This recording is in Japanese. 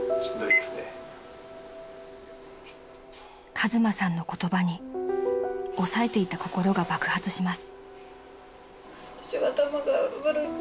［和真さんの言葉に抑えていた心が爆発します］